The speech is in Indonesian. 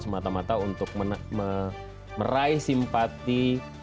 semata mata untuk meraih simpati